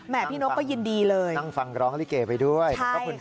แม่พี่นกก็ยินดีเลยขอบคุณครับตั้งฟังร้องลิเกไปด้วย